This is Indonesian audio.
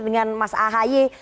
dengan mas ahy